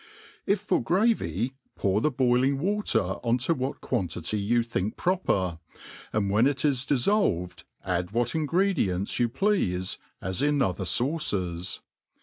If for gravy, pour the boiling water on to what quantity you tkink proper; and when it is diflblved, add what ingredients you pleafe, as in other fauces.